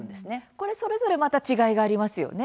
これ、それぞれまた違いがありますよね？